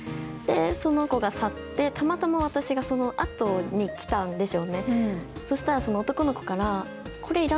その子が去ってたまたま私がそのあとに来たんでしょうね。